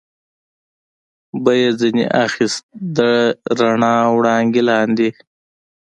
به یې ځنې اخیست، د رڼا وړانګې لاندې.